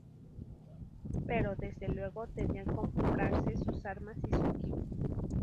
Pero, desde luego, debían comprarse sus armas y su equipo.